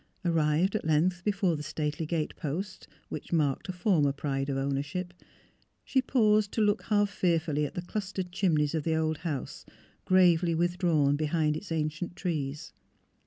Arrived at length before the stately gate posts, which marked a former pride of ownership, she paused to look half fearfully at the clustered chim neys of the old house, gravely withdrawn behind its ancient trees.